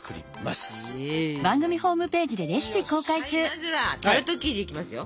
まずはタルト生地いきますよ。